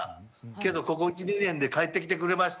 けどここ１２年で帰ってきてくれました。